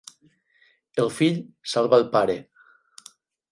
El fill salva el pare.